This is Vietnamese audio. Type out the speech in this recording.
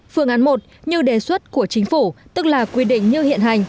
phương án một như đề xuất của chính phủ tức là quy định như hiện hành